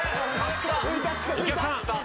お客さん。